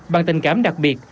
bằng tình cảm đặc biệt